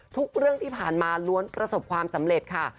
ทุกเรื่องที่ผ่านมาล้วนประสบความสำเร็จค่ะ